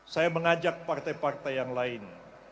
saya mengajak partai partai yang lain